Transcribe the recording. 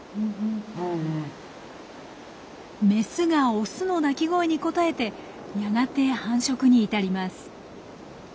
メスがオスの鳴き声に応えてやがて繁殖に至ります。